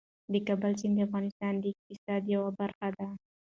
د کابل سیند د افغانستان د اقتصاد یوه برخه ده.